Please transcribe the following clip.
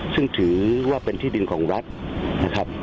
ซึ่งถือว่าเป็นที่ดินของรัฐนะครับ